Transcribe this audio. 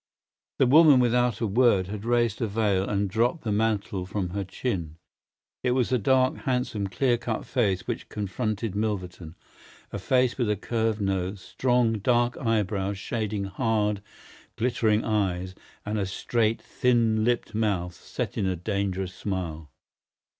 The woman without a word had raised her veil and dropped the mantle from her chin. It was a dark, handsome, clear cut face which confronted Milverton, a face with a curved nose, strong, dark eyebrows shading hard, glittering eyes, and a straight, thin lipped mouth set in a dangerous smile.